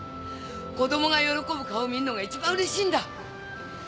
子供が喜ぶ顔見るのがいちばん嬉しいんだ。